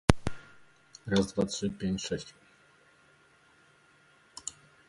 The aqueduct begins at the waterwheel and flows behind it.